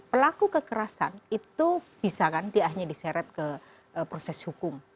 pelaku kekerasan itu bisa kan dia hanya diseret ke proses hukum